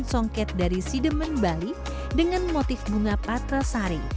dan juga menggunakan kain yang berkelanjutan dengan motif bunga patrasari